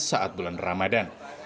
saat bulan ramadan